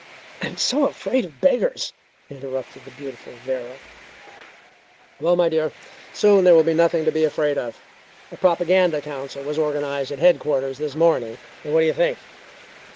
"Oh, I am so afraid of beggars," interrupted the beautiful Vera. "Well, my dear; soon there will be nothing to be afraid of; a propaganda council was organized at headquarters this morning, and what do you think?